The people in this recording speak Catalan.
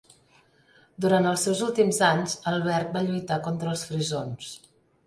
Durant els seus últims anys, Albert va lluitar contra els frisons.